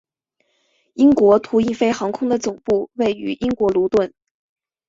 英国途易飞航空的总部位于英国卢顿。